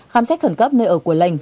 khám sách khẩn cấp nơi ở của lệnh